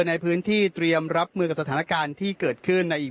ในพื้นที่เตรียมรับมือกับสถานการณ์ที่เกิดขึ้นในอีก